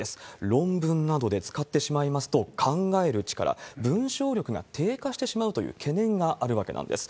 論文などで使ってしまいますと、考える力、文章力が低下してしまうという懸念があるわけなんです。